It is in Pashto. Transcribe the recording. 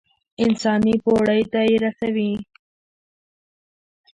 انساني پوړۍ ته يې رسوي.